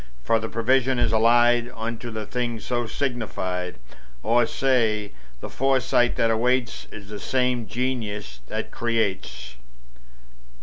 For the prevision is allied Unto the thing so signified; Or say, the foresight that awaits Is the same Genius that creates.